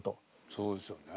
そうですよね。